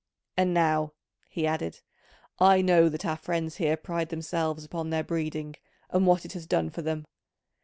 And now," he added, "I know that our friends here pride themselves upon their breeding and what it has done for them.